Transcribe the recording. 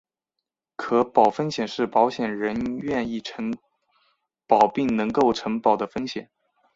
可保风险是保险人愿意承保并能够承保的风险。